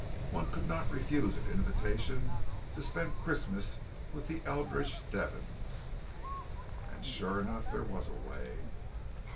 One could not refuse an invitation to spend Christmas with the Eldridge Devons! And sure enough, there was a way.